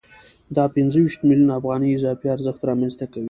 دا پنځه ویشت میلیونه افغانۍ اضافي ارزښت رامنځته کوي